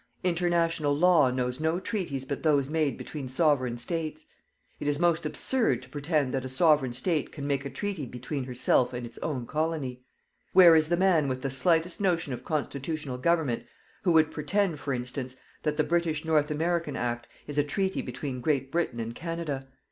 International Law knows no treaties but those made between Sovereign States. It is most absurd to pretend that a Sovereign State can make a treaty between herself and its own colony. Where is the man with the slightest notion of Constitutional Government who would pretend, for instance, that the British North American Act is a treaty between Great Britain and Canada.